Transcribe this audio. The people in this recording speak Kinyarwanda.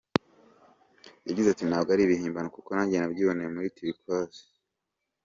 Yagize ati “Ntabwo ari ibihimbano kuko nanjye nabyiboneye muri Turquoise.